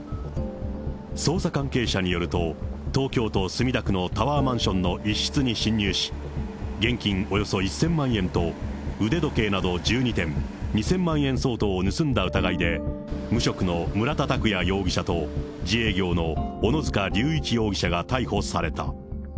捜査関係者によると、東京都墨田区のタワーマンションの一室に侵入し、現金およそ１０００万円と、腕時計など１２点、２０００万円相当を盗んだ疑いで、無職の村田拓也容疑者と、自営業の小野塚隆一容疑者が逮捕された。